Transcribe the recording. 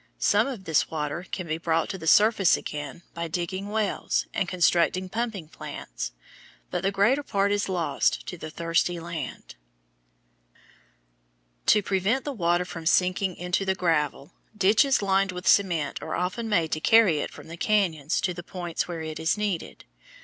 Some of this water can be brought to the surface again by digging wells and constructing pumping plants, but the greater part is lost to the thirsty land. To prevent the water from sinking into the gravel, ditches lined with cement are often made to carry it from the cañons to the points where it is needed.